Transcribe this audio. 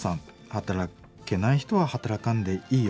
「働けない人は働かんでいいよ。